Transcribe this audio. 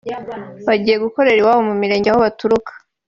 bagiye gukorera iwabo mu mirenge aho baturuka